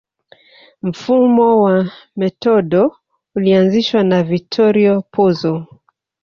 Mfumo wa metodo ulianzishwa na Vittorio Pozzo